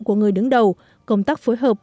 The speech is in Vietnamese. của người đứng đầu công tác phối hợp